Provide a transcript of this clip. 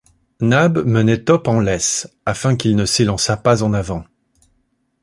Nab menait Top en laisse, afin qu’il ne s’élançât pas en avant